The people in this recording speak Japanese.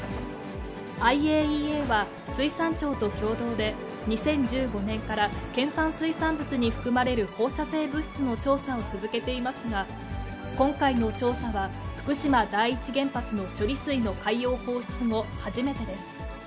ＩＡＥＡは水産庁と共同で、２０１５年から県産水産物に含まれる放射性物質の調査を続けていますが、今回の調査は、福島第一原発の処理水の海洋放出後、初めてです。